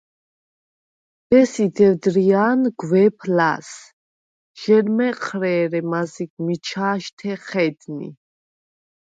ბესი დევდრია̄ნ გვეფ ლას: ჟ’ენმეჴრე, ერე მაზიგ მიჩა̄შთე ჴედნი.